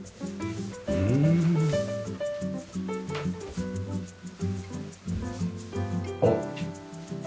うん！おっ。